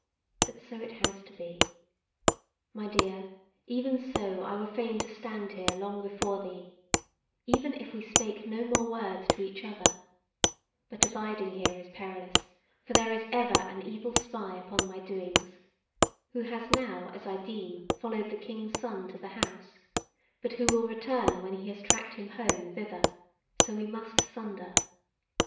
But so it has to be. My dear, even so I were fain to stand here long before thee, even if we spake no more word to each other; but abiding here is perilous; for there is ever an evil spy upon my doings, who has now as I deem followed the King's Son to the house, but who will return when he has tracked him home thither: so we must sunder.